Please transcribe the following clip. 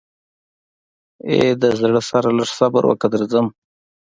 حم ای د زړه سره لږ صبر وکه درځم.